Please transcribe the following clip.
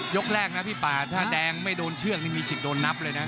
กแรกนะพี่ป่าถ้าแดงไม่โดนเชือกนี่มีสิทธิ์โดนนับเลยนะ